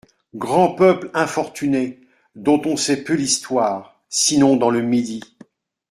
Grand peuple infortuné, dont on sait peu l'histoire, sinon dans le Midi.